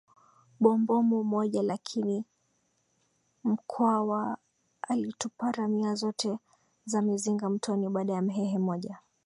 bombomu moja Lakini Mkwawa alitupa ramia zote za mizinga mtoni baada ya Mhehe mmoja